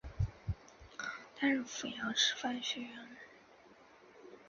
担任阜阳师范学院外国语学院副院长。